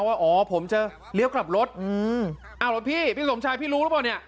ว่าอ๋อผมจะเลี้ยวกลับรถอืมอ้าวแล้วพี่พี่สมชายพี่รู้หรือเปล่าเนี่ย